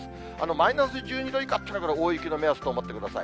マイナス１２度以下というのは、これ、大雪の目安と思ってください。